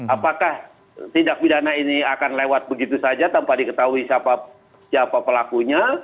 apakah tindak pidana ini akan lewat begitu saja tanpa diketahui siapa pelakunya